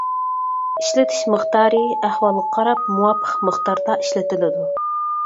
ئىشلىتىش مىقدارى ئەھۋالغا قاراپ مۇۋاپىق مىقداردا ئىشلىتىلىدۇ.